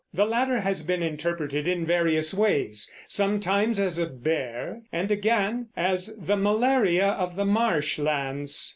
The latter has been interpreted in various ways, sometimes as a bear, and again as the malaria of the marsh lands.